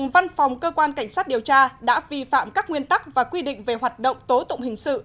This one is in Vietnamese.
văn phòng cơ quan cảnh sát điều tra đã vi phạm các nguyên tắc và quy định về hoạt động tố tụng hình sự